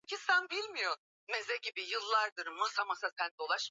mapya ya namna ya kushughulikia ukimwi